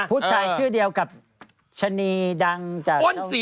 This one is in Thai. ผู้ชายชื่อเดียวกับชะนีดังจากช่องดิจิโต้